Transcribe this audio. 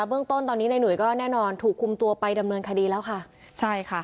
เบื้องต้นตอนนี้นายหนุ่ยก็แน่นอนถูกคุมตัวไปดำเนินคดีแล้วค่ะใช่ค่ะ